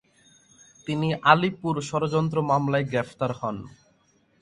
তিনি আলীপুর ষড়যন্ত্র মামলায় গ্রেপ্তার হন।